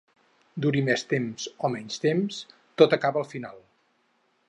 Duri més temps o menys temps, tot acaba al final.